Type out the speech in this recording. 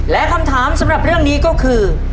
และคำถามสำหรับเรื่องนี้ก็คือ